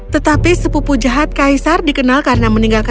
tetapi sepupu jahat kaisar dikenal karena meninggalnya